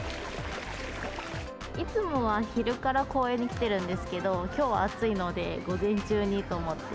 いつもは昼から公園に来てるんですけど、きょうは暑いので午前中にと思って。